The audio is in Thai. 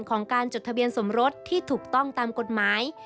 ของการจดทะเบียนสมรสที่ถูกต้องตามกฎหมาย